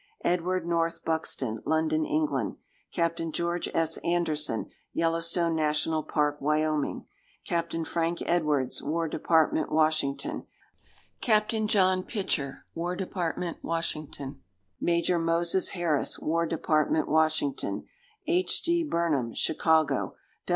Edward North Buxton, London, England. Capt. George S. Anderson, Yellowstone National Park, Wy. Capt. Frank Edwards, War Dept., Washington. Capt. John Pitcher, War Dept., Washington. Major Moses Harris, War Dept., Washington. H. D. Burnham, Chicago.